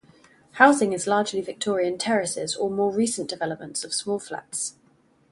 Housing is largely Victorian terraces or more recent developments of small flats.